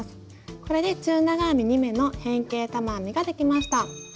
これで中長編み２目の変形玉編みができました。